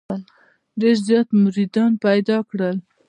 ډېر زیات مریدان پیدا کړل.